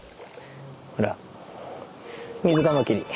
ほらミズカマキリ。